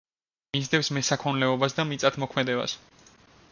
მისდევენ მესაქონლეობას და მიწადმოქმედებას.